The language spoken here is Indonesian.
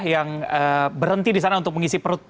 yang berhenti di sana untuk mengisi perut